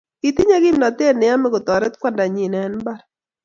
kitinyei kimnatet neyomei kotoret kwandanyin eng mbar